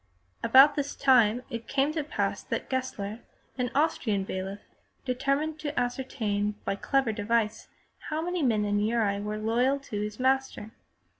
About this time it came to pass that Gessler, an Austrian bailiff, determined to ascertain by a clever device how many men in Uri were loyal to his master.